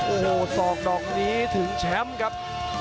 โอ้โหศอกดอกนี้ถึงแชมป์ครับ